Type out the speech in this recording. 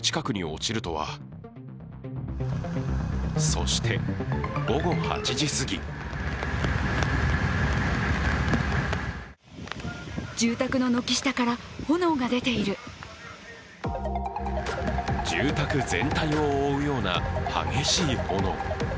そして午後８時すぎ住宅全体を覆うような激しい炎。